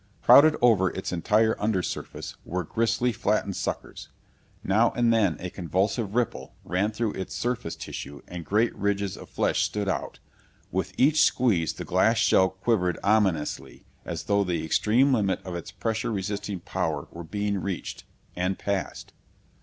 Crowded over its entire under surface were gristly, flattened suckers. Now and then a convulsive ripple ran through its surface tissue and great ridges of flesh stood out. With each squeeze the glass shell quivered ominously as though the extreme limit of its pressure resisting power were being reached and passed.